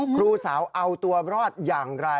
ครูสาวเอาตัวรอดอย่างไร